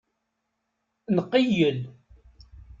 Nqeyyel.